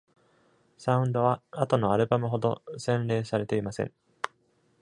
サウンドは、後のアルバムほど洗練されていません。